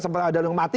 sampai ada yang mati